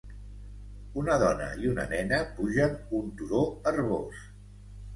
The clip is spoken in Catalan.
Una dona i una nena pugen un turó herbós.